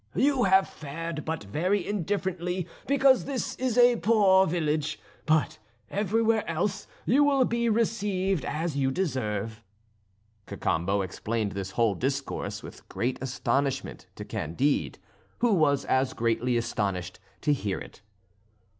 You have fared but very indifferently because this is a poor village; but everywhere else, you will be received as you deserve." Cacambo explained this whole discourse with great astonishment to Candide, who was as greatly astonished to hear it.